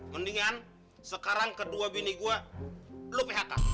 mendingan sekarang kedua bini gue lo phk